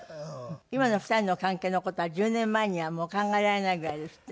今の２人の関係の事は１０年前にはもう考えられないぐらいですって？